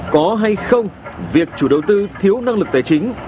có hay không việc chủ đầu tư thiếu năng lực tài chính